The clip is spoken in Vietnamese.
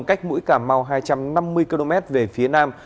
cách mũi cà mau hai trăm năm mươi km về phía nam